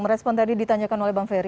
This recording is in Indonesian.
merespon tadi ditanyakan oleh bang ferr